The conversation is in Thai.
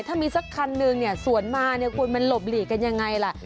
ถ้ามีสักครั้งหนึ่งสวนมาควรมันหลบหลีกันยังไงล่ะ